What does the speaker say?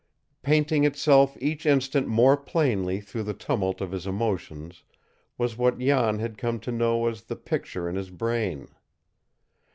Painting itself each instant more plainly through the tumult of his emotions was what Jan had come to know as the picture in his brain.